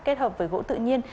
kết hợp với gỗ tự nhiên